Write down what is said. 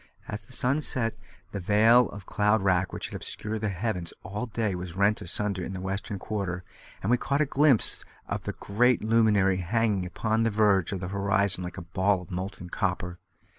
As the sun set, the veil of cloud wrack which had obscured the heavens all day was rent asunder in the western quarter, and we caught a glimpse of the great luminary hanging upon the verge of the horizon like a ball of molten copper.